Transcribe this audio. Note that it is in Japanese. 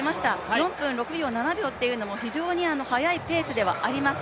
４分６秒、７秒というのも非常に速いペースではあります。